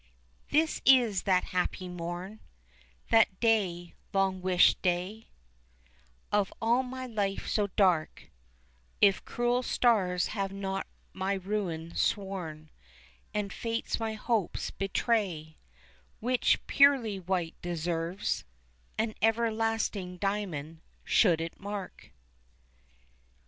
"This is that happy morn That day, long wished day Of all my life so dark (If cruel stars have not my ruin sworn And fates my hopes betray) Which, purely white, deserves An everlasting diamond should it mark."